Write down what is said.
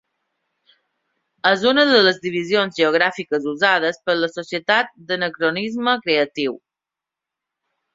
És una de les divisions geogràfiques usades per la Societat d'anacronisme creatiu.